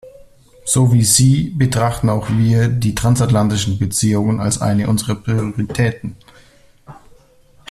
So wie Sie betrachten auch wir die transatlantischen Beziehungen als eine unserer Prioritäten.